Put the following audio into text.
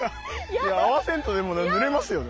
いや合わせんとでもぬれますよね。